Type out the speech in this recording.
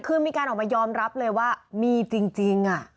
คือมีการออกมายอมรับเลยว่ามีจริง